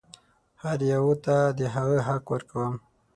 هر یوه ته د هغه حق ورکوم.